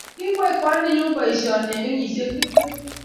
kikwai kwaninyu boishoni eng kenyishek tiptem